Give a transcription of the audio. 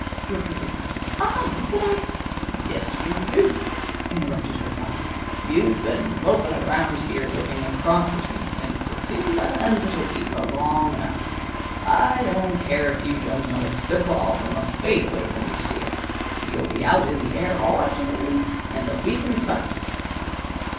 repeated Ivy. "I? But I'd " "Yes, you do," interrupted her father. "You've been moping around here looking a cross between Saint Cecilia and Little Eva long enough. I don't care if you don't know a spitball from a fadeaway when you see it. You'll be out in the air all afternoon, and there'll be some excitement.